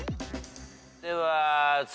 では。